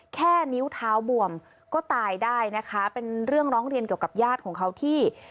แค่นิ้วเท้าบวมก็ตายได้นะคะเป็นเรื่องร้องเรียนเกี่ยวกับญาติของเขาที่